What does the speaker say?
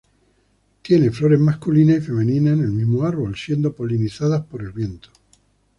Tiene flores masculinas y femeninas en el mismo árbol, siendo polinizadas por el viento.